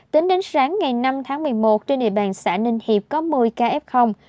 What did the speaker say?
tính đến sáng ngày năm tháng một mươi một trên địa bàn xã ninh hiệp có một mươi caf